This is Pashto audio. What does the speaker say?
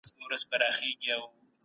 د ځاځی اریوب ملي پارک ډېر ښکلی ده.